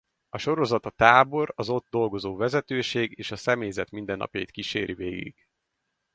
A sorozat a tábor az ott dolgozó vezetőség és a személyzet mindennapjait kíséri végig.